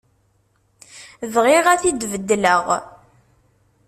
Bɣiɣ ad t-id-beddleɣ.